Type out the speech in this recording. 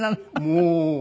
もう。